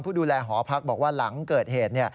ผู้ดูแลหอพักบอกว่าหลังเกิดเหตุ